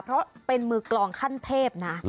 เพราะเป็นมือกลองขั้นเทพนะ